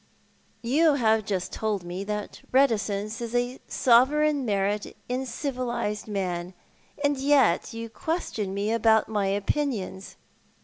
" "You have just told me that reticence is a sovereign merit in civilised man, and yet you question me about my opinions."